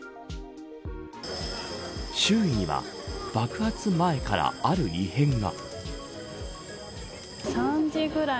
周囲には爆発前からある異変が。